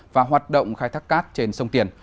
và hoạt động khai thác cát trên sông tiền